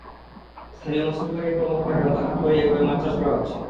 স্থানীয় মৎস্য বিভাগের কর্মকর্তাকে হাত করেই এভাবে মাছ চাষ করা হচ্ছে।